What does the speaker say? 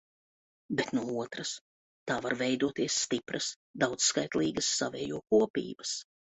Bet no otras – tā var veidoties stipras, daudzskaitlīgas savējo kopības.